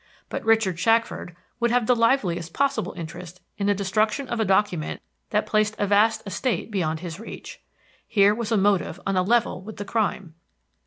But Richard Shackford would have the liveliest possible interest in the destruction of a document that placed a vast estate beyond his reach. Here was a motive on a level with the crime.